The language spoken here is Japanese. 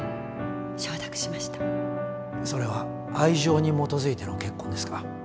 それは愛情に基づいての結婚ですか？